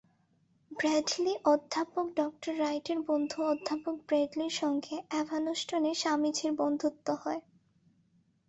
Bradley, অধ্যাপক ড রাইটের বন্ধু অধ্যাপক ব্র্যাডলির সঙ্গে এভানষ্টনে স্বামীজীর বন্ধুত্ব হয়।